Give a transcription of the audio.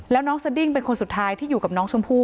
แล้วน้องสดิ้งเป็นคนสุดท้ายที่อยู่กับน้องชมพู่